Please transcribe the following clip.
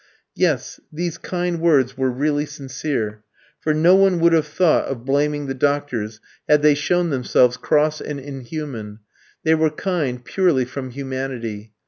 Yes, these kind words were really sincere, for no one would have thought of blaming the doctors had they shown themselves cross and inhuman; they were kind purely from humanity.